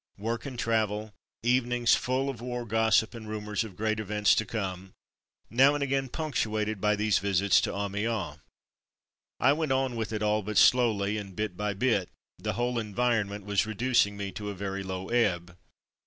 Work and travel, evenings full of war gossip and ru mours of great events to come, now and again punctuated by these visits to Amiens ^■" t %^^^— I went on with it all but slowly, and bit by bit, the whole environment was reducing me to a very low ebb.